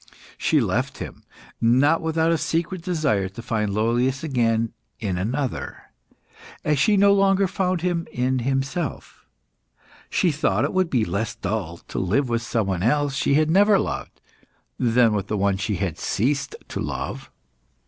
She left him, not without a secret desire to find Lollius again in another, as she no longer found him in himself. She thought it would be less dull to live with someone she had never loved, than with one she had ceased to love.